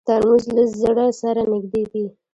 ترموز له زړه سره نږدې دی.